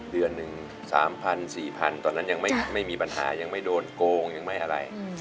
เดือนหนึ่ง๓๐๐๔๐๐ตอนนั้นยังไม่มีปัญหายังไม่โดนโกงยังไม่อะไร